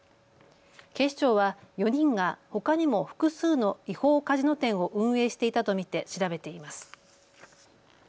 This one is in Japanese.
警視庁は４人がほかにも複数の違法カジノ店を運営していたと見て調べています。